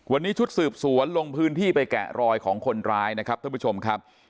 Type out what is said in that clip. วันนี้ชุดสืบสวนลงพื้นที่ไปแกะรอยของคนร้ายนะครับท่านผู้ชมครับ